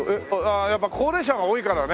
やっぱ高齢者が多いからね。